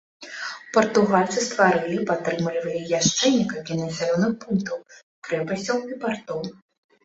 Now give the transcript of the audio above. Партугальцы стварылі і падтрымлівалі яшчэ некалькі населеных пунктаў, крэпасцяў і партоў.